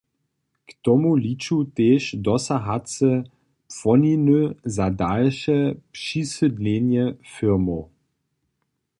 K tomu liču tež dosahace płoniny za dalše přisydlenje firmow.